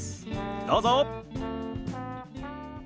どうぞ。